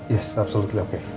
ya benar benar oke